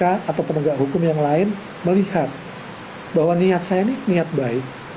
atau penegak hukum yang lain melihat bahwa niat saya ini niat baik